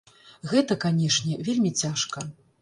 Гэта, канешне, вельмі цяжка.